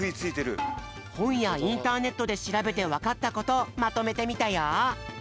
ほんやインターネットでしらべてわかったことをまとめてみたよ！